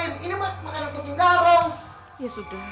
ini mah makanan kecing darung